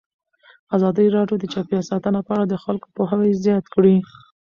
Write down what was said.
ازادي راډیو د چاپیریال ساتنه په اړه د خلکو پوهاوی زیات کړی.